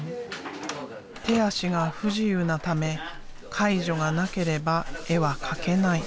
手足が不自由なため介助がなければ絵は描けない。